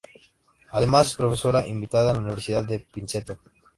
Además, es profesora invitada en la Universidad de Princeton.